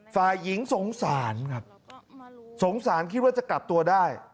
ฝ่ายหญิงสงสารครับสงสารคิดว่าจะกลับตัวได้